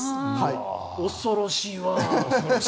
恐ろしいわ。